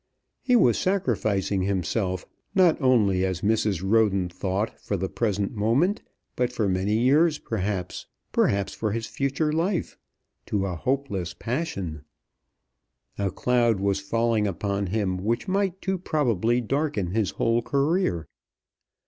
He was sacrificing himself, not only as Mrs. Roden thought for the present moment, but for many years perhaps, perhaps for his future life, to a hopeless passion. A cloud was falling upon him which might too probably darken his whole career.